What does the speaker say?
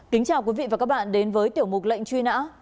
kính chào quý vị và các bạn đến với tiểu mục lệnh truy nã